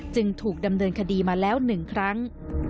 จึงถูกดำเนินคดีมาแล้ว๑ครั้ง